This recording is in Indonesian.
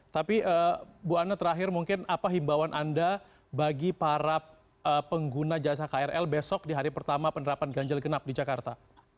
tapi bu ana terakhir mungkin apa himbauan anda bagi para pengguna jasa krl besok di hari pertama penerapan ganjil genap di jakarta